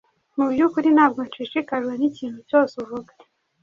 Mu byukuri ntabwo nshishikajwe nikintu cyose uvuga.